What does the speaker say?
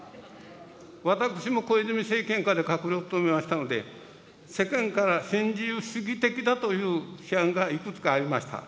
私も小泉政権下で閣僚を務めましたので、世間から新自由主義的だという批判がいくつかありました。